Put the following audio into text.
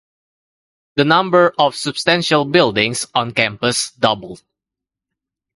The number of substantial buildings on campus doubled.